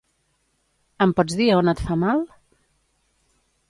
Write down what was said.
Em pots dir a on et fa mal?